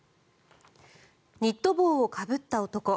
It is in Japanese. ニット帽をかぶった男。